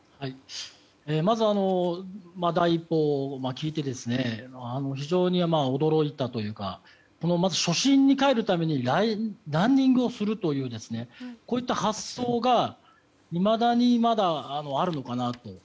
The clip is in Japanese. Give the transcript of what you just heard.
まず第一報を聞いて非常に驚いたというかまず初心に帰るためにランニングをするというこういった発想がいまだに、まだあるのかなと。